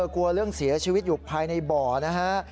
กลัวเรื่องเสียชีวิตอยู่ภายในบ่อนะฮะ